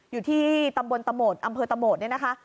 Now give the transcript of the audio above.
อยู่ที่ตำบลตะโหมดอำเภอตะโหมดเนี่ยนะคะ